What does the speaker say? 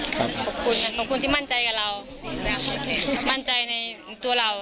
ขอบคุณค่ะขอบคุณที่มั่นใจกับเรามั่นใจในตัวเรา